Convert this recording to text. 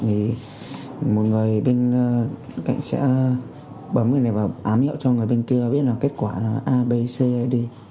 thì một người bên cạnh sẽ bấm cái này vào ám nhậu cho người bên kia biết là kết quả là a b c d